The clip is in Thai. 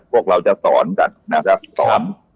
พวกเราจะสอนกันนะครับสอน